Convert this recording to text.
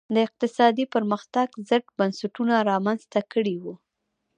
د اقتصادي پرمختګ ضد بنسټونه رامنځته کړي وو.